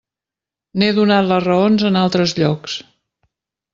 N'he donat les raons en altres llocs.